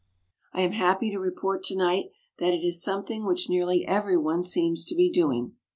I am happy to report tonight that it is something which nearly everyone seems to be doing.